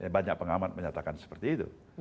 banyak pengamat menyatakan seperti itu